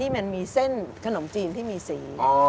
มันมีเส้นขนมจีนที่มีสี